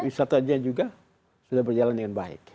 wisatanya juga sudah berjalan dengan baik